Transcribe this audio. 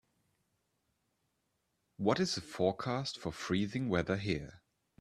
what is the forecast for freezing weather here